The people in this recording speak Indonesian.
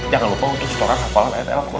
jangan lupa untuk setelah hafal hafal